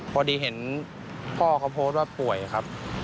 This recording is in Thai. พอดีเห็นพ่อเขาโพสต์ว่าป่วยครับ